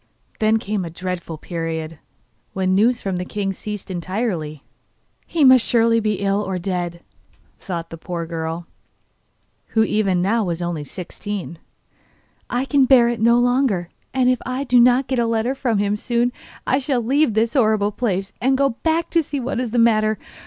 Then came a dreadful period, when news from the king ceased entirely. 'He must surely be ill or dead,' thought the poor girl, who even now was only sixteen. 'I can bear it no longer, and if I do not get a letter from him soon I shall leave this horrible place and go back to see what is the matter.